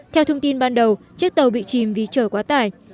theo thông tin ban đầu chiếc tàu bị chìm vì chở quá tải